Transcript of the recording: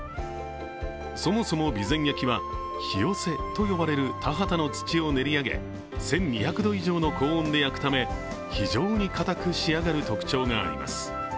そもそも備前焼は干寄と呼ばれる田畑の土を練り上げ１２００度以上の高温で焼くため非常に硬く仕上がる特徴があります。